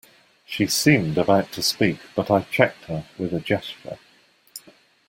She seemed about to speak, but I checked her with a gesture.